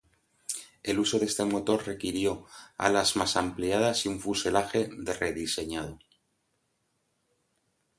El uso de este motor requirió alas más ampliadas y un fuselaje rediseñado.